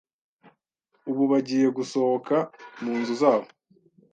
ubu bagiye gusohoka mu nzu zabo